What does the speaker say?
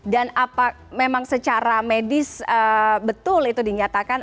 dan apa memang secara medis betul itu dinyatakan